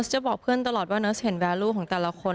จริงก็สวยทุกคน